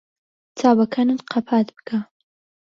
چاوەکانت قەپات بکە.